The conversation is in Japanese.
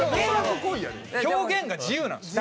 表現が自由なんです。